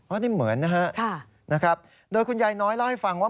อันนี้เหมือนนะฮะนะครับโดยคุณยายน้อยเล่าให้ฟังว่า